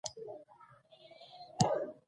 ته ګاډی راوباسه چې لاړ شو